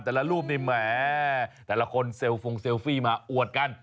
แต่ละรูปนี้แหมแต่ละคนเซลฟิมาอวดกัน